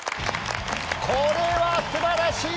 これはすばらしい！